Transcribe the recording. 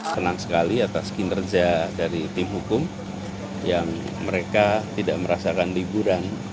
senang sekali atas kinerja dari tim hukum yang mereka tidak merasakan liburan